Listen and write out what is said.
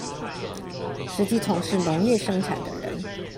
實際從事農業生產的人